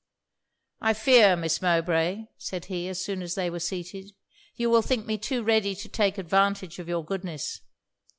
'I fear, Miss Mowbray,' said he, as soon as they were seated, 'you will think me too ready to take advantage of your goodness.